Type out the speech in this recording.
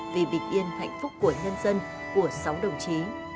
vì bình yên hạnh phúc của nhân dân của sáu đồng chí